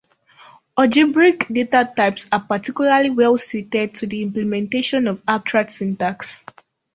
Algebraic data types are particularly well-suited to the implementation of abstract syntax.